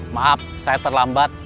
maaf saya terlambat